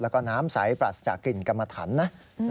แล้วก็น้ำใสปรัสจากกลิ่นกรรมฐานนะ